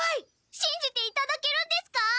しんじていただけるんですか！？